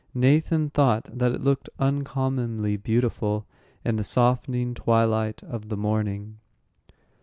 Nathan thought that it looked uncommonly beautiful in the softening twilight of the morning.